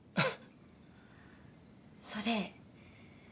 それ。